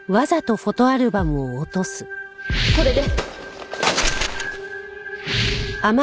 これで。